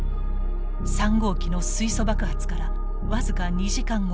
３号機の水素爆発から僅か２時間後。